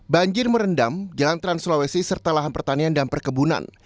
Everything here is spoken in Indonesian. banjir merendam jalan trans sulawesi serta lahan pertanian dan perkebunan